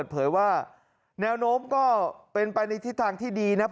เผยว่าแนวโน้มก็เป็นไปในทิศทางที่ดีนะครับ